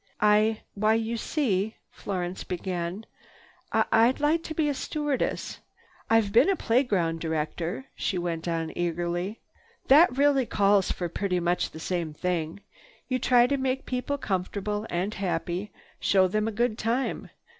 "I—why you see—" Florence began, "I—I'd like to be a stewardess. I—I've been a playground director." She went on eagerly, "That really calls for pretty much the same thing. You try to make people comfortable and happy—show them a good time.